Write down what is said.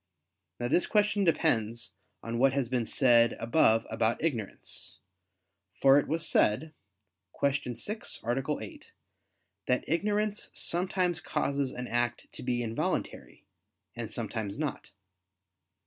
Now this question depends on what has been said above about ignorance. For it was said (Q. 6, A. 8) that ignorance sometimes causes an act to be involuntary, and sometimes not.